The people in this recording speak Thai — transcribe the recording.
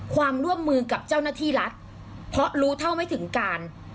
ความร่วมมือกับเจ้าหน้าที่รัฐเพราะรู้เท่าไม่ถึงการ